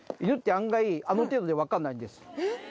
犬って案外あの程度で分かんないんですえっ